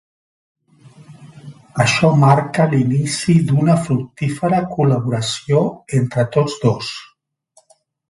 Això marca l’inici d’una fructífera col·laboració entre tots dos.